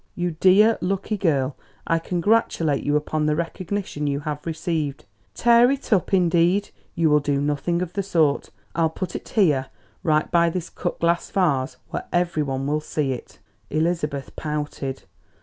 You dear, lucky girl, I congratulate you upon the recognition you have received. Tear it up indeed, you will do nothing of the sort! I'll put it here right by this cut glass vase, where every one will see it." Elizabeth pouted.